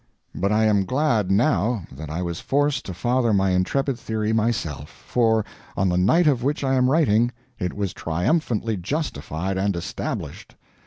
But I am glad now, that I was forced to father my intrepid theory myself, for, on the night of which I am writing, it was triumphantly justified and established.